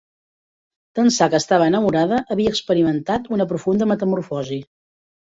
D'ençà que estava enamorada, havia experimentat una profunda metamorfosi.